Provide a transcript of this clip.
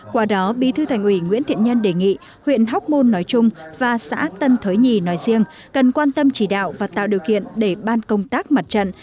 qua đó bí thư thành ủy nguyễn thiện nhân đề nghị huyện hóc môn nói chung và xã tân thới nhì nói riêng cần quan tâm chỉ đạo và tạo điều kiện để ban công tác mặt trận